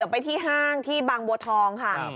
ไปที่ห้างที่บางบัวทองค่ะ